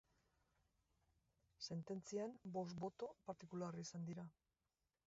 Sententzian bost boto partikular izan dira.